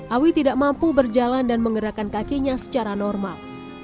awi tidak mampu berjalan dan menggerakkan kakinya secara normal